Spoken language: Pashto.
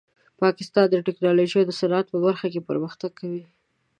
پاکستان د ټیکنالوژۍ او صنعت په برخه کې پرمختګ کوي.